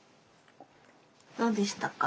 どうでしたか？